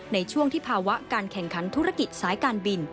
ในช่วงที่ภาวะการแข่งขันธุรกิจสายการบิน